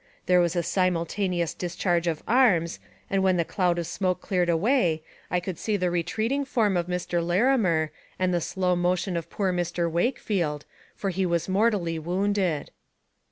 There was a simultaneous discharge of arms, and when the cloud of smoke cleared away, I could see the retreating form of Mr. Larimer and the slow motion of poor Mr. Wakefield, for he was mortally wounded.